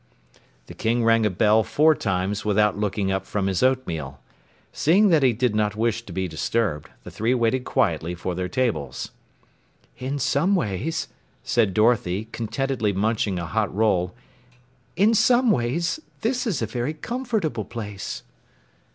The king rang a bell four times without looking up from his oatmeal. Seeing that he did not wish to be disturbed, the three waited quietly for their tables. "In some ways," said Dorothy, contentedly munching a hot roll, "in some ways this is a very comfortable place."